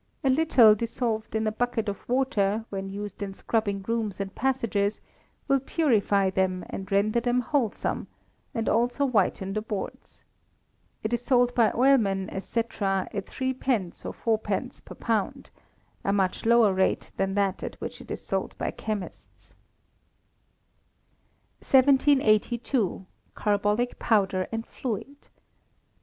A little dissolved in a bucket of water, when used in scrubbing rooms and passages, will purify them and render them wholesome, and also whiten the boards. It is sold by oilmen &c., at 3d. or 4d. per lb. a much lower rate than that at which it is sold by chemists. 1782. Carbolic Powder and Fluid.